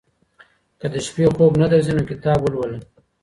که د شپې خوب نه درځي نو کتاب ولوله.